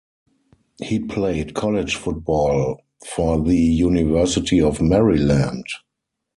He played college football for the University of Maryland.